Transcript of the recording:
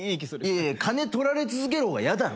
いやいや金取られ続ける方が嫌だろ。